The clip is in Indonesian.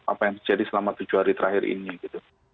apa yang terjadi selama tujuh hari terakhir ini gitu